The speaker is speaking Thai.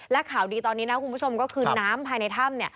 และข่าวดีตอนนี้นะคุณผู้ชมก็คือน้ำภายในถ้ำ